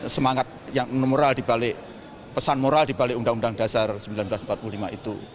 semangat yang moral dibalik pesan moral dibalik undang undang dasar seribu sembilan ratus empat puluh lima itu